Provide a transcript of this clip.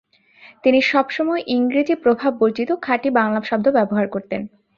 তিনি সবসময় ইংরেজি প্রভাব বর্জিত খাঁটি বাংলা শব্দ ব্যবহার করতেন।